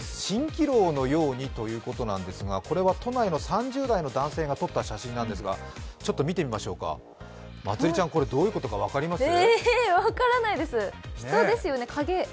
蜃気楼のようにということなんですが、これは都内の３０代の男性が撮った写真なんですがまつりちゃん、どういうことか分かります？